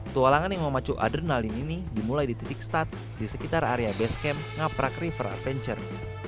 tualangan yang memacu adrenalin ini dimulai di titik start di sekitar area base camp ngaprak river adventure